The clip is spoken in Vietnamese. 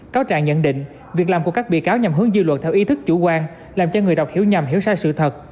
cáo trạng nhận định việc làm của các bị cáo nhằm hướng dư luận theo ý thức chủ quan làm cho người đọc hiểu nhầm hiểu sai sự thật